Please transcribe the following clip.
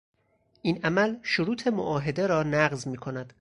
این عمل شروط معاهده رانقض میکند.